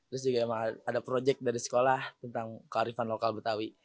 terus juga emang ada project dari sekolah tentang kearifan lokal betawi